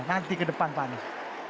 nanti ke depan pak anies